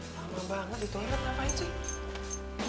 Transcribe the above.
lama banget ditolak ngapain sih